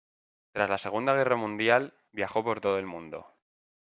Tras la Segunda Guerra Mundial, viajó por todo el mundo.